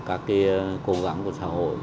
các cái cố gắng của xã hội